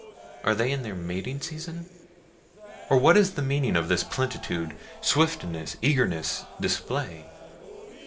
Are they in their mating season? or what is the meaning of this plenitude, swiftness, eagerness, display?